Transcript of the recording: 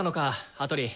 羽鳥！